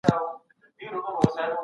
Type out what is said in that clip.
غرور عقل ړندوي.